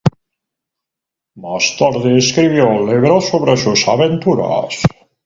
Más tarde escribió un libro sobre sus aventuras.